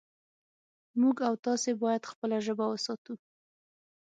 موږ او تاسې باید خپله ژبه وساتو